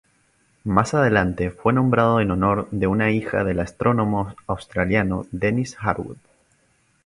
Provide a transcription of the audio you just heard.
Más adelante fue nombrado en honor de una hija del astrónomo australiano Dennis Harwood.